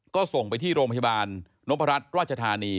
ก็ส่งไปที่โรงพยาบาลนพรัชราชธานี